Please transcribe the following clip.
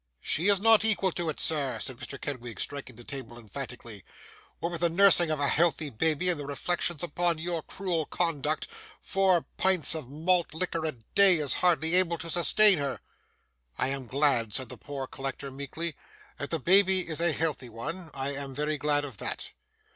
'She is not equal to it, sir,' said Mr. Kenwigs, striking the table emphatically. 'What with the nursing of a healthy babby, and the reflections upon your cruel conduct, four pints of malt liquor a day is hardly able to sustain her.' 'I am glad,' said the poor collector meekly, 'that the baby is a healthy one. I am very glad of that.